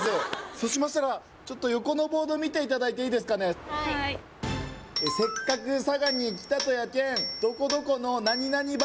そうしましたら横のボード見ていただいていいですかね「せっかく佐賀に来たとやけんどこどこの何なにば」